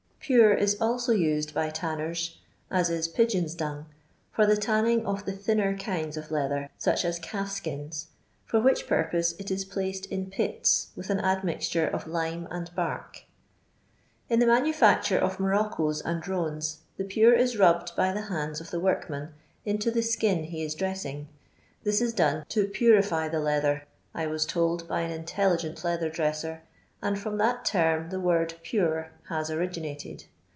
Pure is also used by tannery as is pigeon's dung, for the tanning of the thinner kinds of leather, such as calf skins, for which purpose it is placed in pits with an admixture of lime and bark. In the mtnufacture of moroccos and roans the pure is rubbed by the hands of the workman into the skin he is dressing. This is done to "purify*' the leather, I was told by an intelligent leather dresser, and from that term the word pure" has originated.